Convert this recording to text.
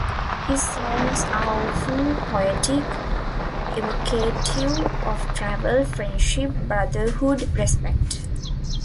His songs are often poetic, evocative of travel, friendship, brotherhood, respect.